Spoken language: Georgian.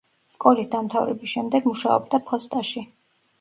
სკოლის დამთავრების შემდეგ მუშაობდა ფოსტაში.